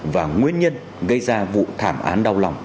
và nguyên nhân gây ra vụ thảm án đau lòng